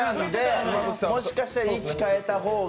もしかしたら位置変えた方が。